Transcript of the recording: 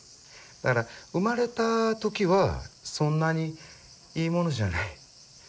だから生まれた時はそんなにいいものじゃない。